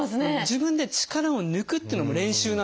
自分で力を抜くっていうのも練習なんですよ。